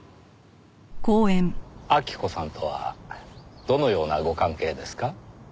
晃子さんとはどのようなご関係ですか？